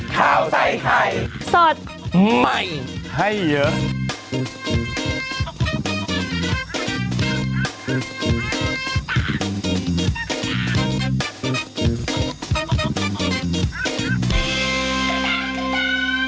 ข้าวใส่ไข่สดใหม่ให้เยอะ